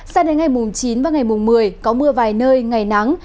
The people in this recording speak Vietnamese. sao đến ngày mùng chín và ngày mùng một mươi có mưa vài nơi ngày nắng